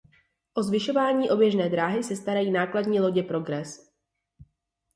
O zvyšování oběžné dráhy se starají nákladní lodě Progress.